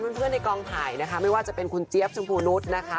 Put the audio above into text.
เพื่อนในกองถ่ายนะคะไม่ว่าจะเป็นคุณเจี๊ยบชมพูนุษย์นะคะ